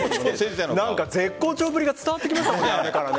絶好調ぶりが伝わってきましたよね飴から。